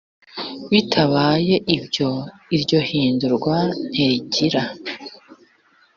bitabaye ibyo iryo hindurwa ntirigira